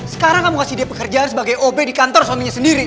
sekarang kamu kasih dia pekerjaan sebagai ob di kantor suaminya sendiri